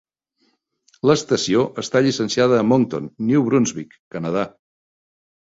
L'estació està llicenciada a Moncton, New Brunswick, Canadà.